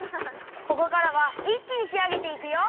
ここからはいっきにしあげていくよ！